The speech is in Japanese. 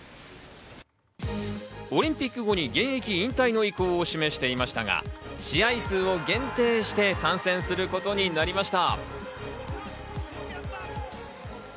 オリンピック後に現役引退の意向を示していましたが、試合数を限定して参戦することになりました。